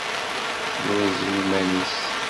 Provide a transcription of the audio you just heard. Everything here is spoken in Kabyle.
Yurez-iman-is.